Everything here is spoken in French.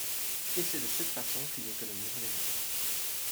Et c’est de cette façon qu’une économie redémarre.